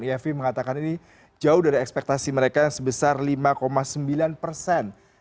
ifv mengatakan ini jauh dari ekspektasi mereka yang sebesar lima sembilan persen